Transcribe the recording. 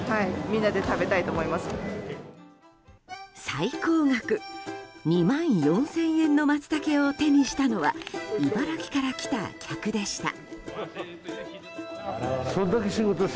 最高額２万４０００円のマツタケを手にしたのは茨城から来た客でした。